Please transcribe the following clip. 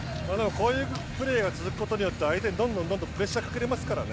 こういうプレーが続くことによって相手にどんどんプレッシャーをかけれますからね。